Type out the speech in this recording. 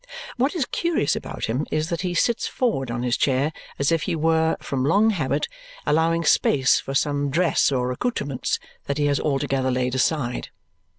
What is curious about him is that he sits forward on his chair as if he were, from long habit, allowing space for some dress or accoutrements that he has altogether laid aside.